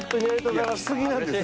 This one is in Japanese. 来すぎなんです。